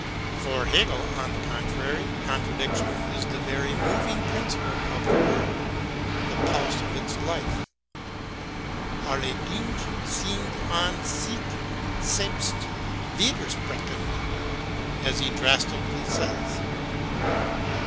For Hegel, on the contrary, contra diction is the very moving principle of the world, the pulse HEGEL 13 of its life. Alle Dinge sind an sich selhst widersprechend, as he drastically says.